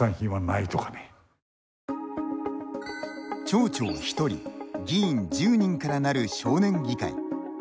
町長１人、議員１０人からなる少年議会。